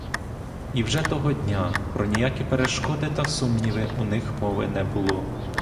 І вже того дня про ніякі перешкоди та сумніви у них мови не було.